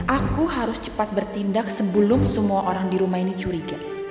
aku harus cepat bertindak sebelum semua orang di rumah ini curiga